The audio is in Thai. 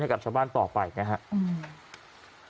กับชาวบ้านต่อไปนะครับ